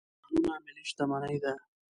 کانونه ملي شتمني ده.